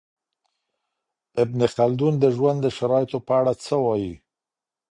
ابن خلدون د ژوند د شرایطو په اړه څه وايي؟